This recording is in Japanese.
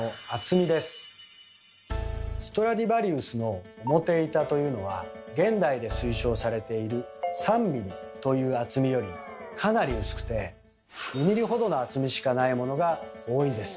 ストラディヴァリウスの表板というのは現代で推奨されている３ｍｍという厚みよりかなり薄くて２ｍｍほどの厚みしかないものが多いんです。